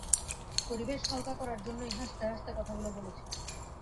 পরিবেশ হালকা করার জন্যেই হাসতে-হাসতে কথাগুলি বলেছি।